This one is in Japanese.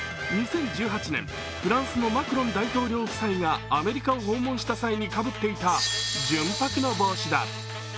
２０１８年、フランスのマクロン大統領夫妻がアメリカを訪問した際にかぶっていた純白の帽子だ。